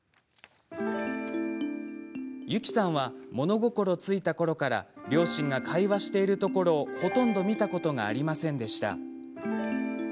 ゆきさんは物心付いたころから両親が会話しているところをほとんど見たことがありませんでした。